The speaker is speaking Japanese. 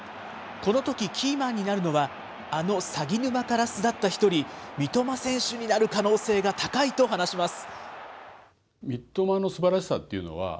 このとき、キーマンになるのは、あのさぎぬまから巣立った１人、三笘選手になる可能性が高いと話します。